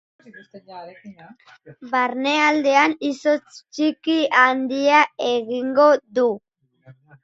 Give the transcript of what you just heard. Barnealdean izotz txiki-handia egingo du.